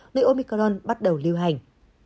nơi omicron bắt đầu lưu hành